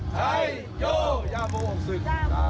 ไทยโยยาโมออกศึก